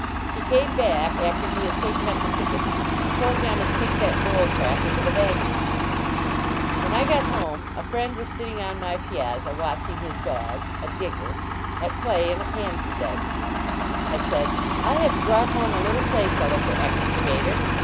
He came back, after he had taken up the tickets, and told me I must take that mole trap into the baggage car. When I got home, a friend was sitting on my piazza watching his dog a Digger at play in a pansy bed. I said: " I have brought home a little play fellow for Excavator."